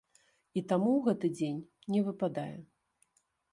І таму ў гэты дзень не выпадае.